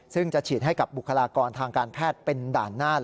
ซึ่งจะฉีดให้กับบุคลากรทางการแพทย์เป็นด่านหน้า